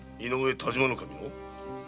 但馬守の？